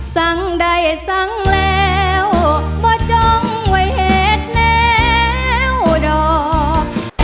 สั่งใดสั่งแล้วบ่จ้องไว้เหตุแนวดอก